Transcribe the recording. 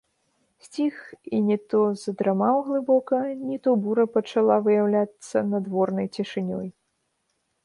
Сціх і ні то задрамаў глыбока, ні то бура пачала выяўляцца надворнай цішынёй.